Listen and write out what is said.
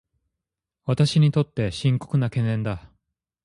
私にとって深刻な懸念だ